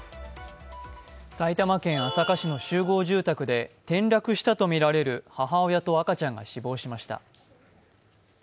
埼玉県朝霞市の集合住宅で転落したとみられる母親と赤ちゃんが死亡しました。